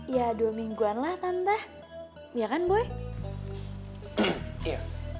ya dua mingguan lah tante iya kan boy